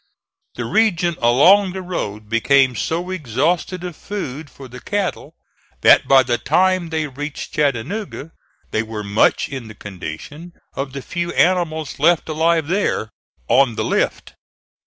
The region along the road became so exhausted of food for the cattle that by the time they reached Chattanooga they were much in the condition of the few animals left alive there "on the lift."